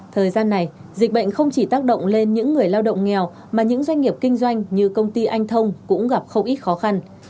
thời gian này dịch bệnh không chỉ tác động lên những người lao động nghèo mà những doanh nghiệp kinh doanh như công ty anh thông cũng gặp không ít khó khăn